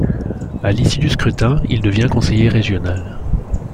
À l'issue du scrutin, il devient conseiller régional.